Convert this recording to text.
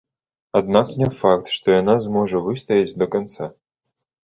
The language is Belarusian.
Аднак не факт, што яна зможа выстаяць да канца.